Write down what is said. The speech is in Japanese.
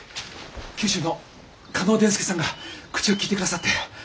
九州の嘉納伝助さんが口を利いて下さって。